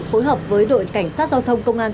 phối hợp với đội cảnh sát giao thông công an